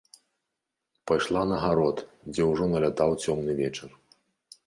Пайшла на гарод, дзе ўжо налятаў цёмны вечар.